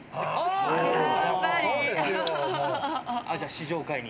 試乗会に？